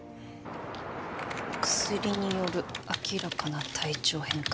薬による明らかな体調変化